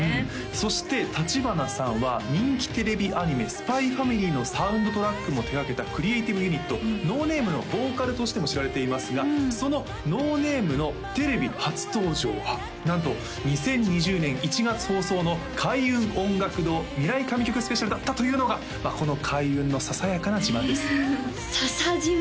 そして立花さんは人気テレビアニメ「ＳＰＹ×ＦＡＭＩＬＹ」のサウンドトラックも手がけたクリエイティブユニットＮｏＷＮＡＭＥのボーカルとしても知られていますがそのＮｏＷＮＡＭＥのテレビ初登場はなんと２０２０年１月放送の開運音楽堂未来神曲ＳＰだったというのがこの開運のささやかな自慢ですささじま？